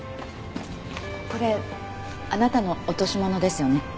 これあなたの落とし物ですよね？